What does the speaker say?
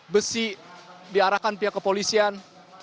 besi diarahkan pihak kepolisian